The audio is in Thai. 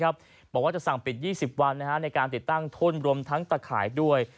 บอกว่าจะสั่งปิด๒๐วันในการติดตั้งทุ่นรวมทั้งตะข่ายด้วย